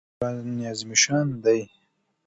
قران عظیم الشان دئ.